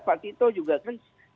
pak tito juga kan